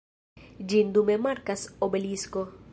Ĝin dume markas obelisko.